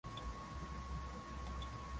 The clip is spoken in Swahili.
wakili huyo wa utetezi juliana sanj mark steven